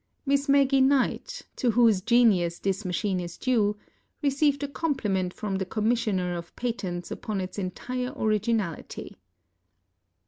Miss Maggie Knight, to whose genius this machine is due, received a com pliment from the Commissioner of Patents upon its entire origi nality.